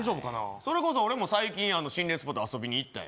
それこそ俺も最近心霊スポット遊びに行ったよ